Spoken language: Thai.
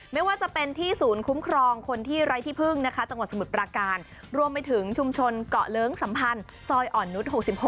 ไม่ว่าจะเป็นที่ศูนย์คุ้มครองคนที่ไร้ที่พึ่งนะคะจังหวัดสมุทรปราการรวมไปถึงชุมชนเกาะเลิ้งสัมพันธ์ซอยอ่อนนุษย์๖๖